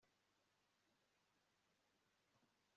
indyo ifite intungamubiri kandi bikaba